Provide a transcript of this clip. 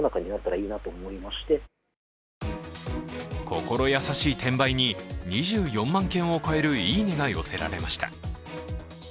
心優しい転売に２４万件を超えるいいねが寄せられました。